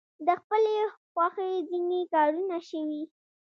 د خپلې خوښې ځینې کارونه شوي.